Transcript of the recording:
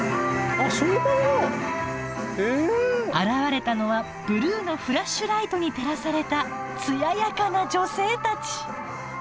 現れたのはブルーのフラッシュライトに照らされた艶やかな女性たち！